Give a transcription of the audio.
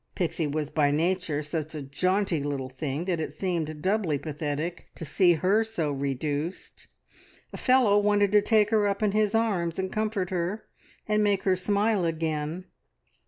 Pixie was by nature such a jaunty little thing that it seemed doubly pathetic to see her so reduced. A fellow wanted to take her up in his arms, and comfort her, and make her smile again.